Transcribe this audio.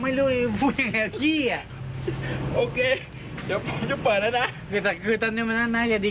นี่เหรอร่องมันหมดเลย